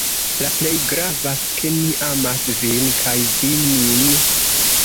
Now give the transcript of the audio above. La plej gravas, ke mi amas vin kaj vi min.